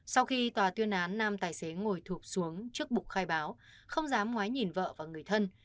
sau khi tòa tuyên án nam tài xế ngồi thục xuống trước bục khai báo không dám nói nhìn vợ và người thân